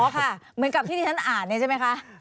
เหมือนกับที่ที่ฉันอ่านใช่ไหมคะ